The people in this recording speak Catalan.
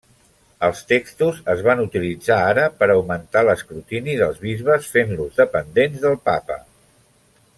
Els textos es van utilitzar ara per augmentar l'escrutini dels bisbes, fent-los dependents del papa.